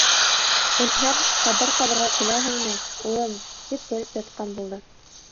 Үлһәм, ҡәбер ҡаҙырға киләһеңме, улым, тип көлөп ятҡан булды.